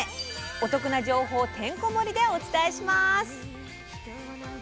お得な情報てんこ盛りでお伝えします！